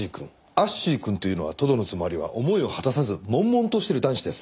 アッシーくんというのはとどのつまりは思いを果たさず悶々としている男子です。